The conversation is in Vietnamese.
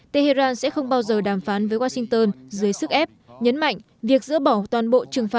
tehran sẽ không bao giờ đàm phán với washington dưới sức ép nhấn mạnh việc dỡ bỏ toàn bộ trừng phạt